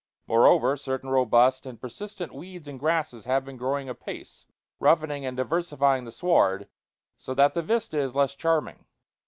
Moreover, certain robust and persistent weeds and grasses have been growing apace, roughening and diversifying the sward, so that the vista is less charming.